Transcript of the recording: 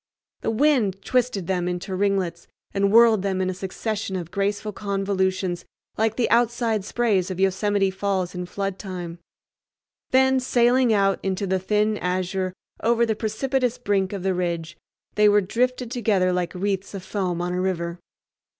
The wind twisted them into ringlets and whirled them in a succession of graceful convolutions like the outside sprays of Yosemite Falls in flood time; then, sailing out into the thin azure over the precipitous brink of the ridge they were drifted together like wreaths of foam on a river.